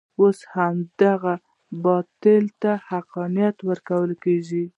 اوس همدې باطلو ته حقانیت ورکول کېږي.